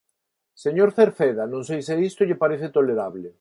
Señor Cerceda, non sei se isto lle parece tolerable.